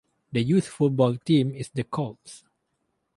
The youth football team is the Colts.